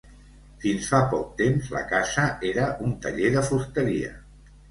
Fins fa poc temps, la casa era un taller de fusteria.